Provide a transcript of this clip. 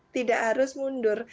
tidak harus mundur